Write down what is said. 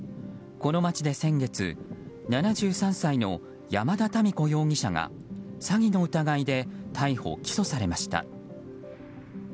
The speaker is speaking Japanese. この町で先月７３歳の山田民子容疑者が詐欺の疑いで逮捕・起訴されました。